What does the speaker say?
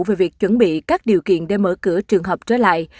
về việc chuẩn bị các điều kiện để mở cửa trường hợp trở lại